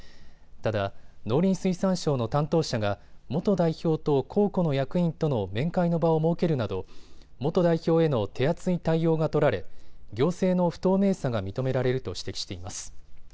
ただ農林水産省の担当者が元代表と公庫の役員との面会の場を設けるなど元代表への手厚い対応が取られ行政の不透明さが認められると指摘しています。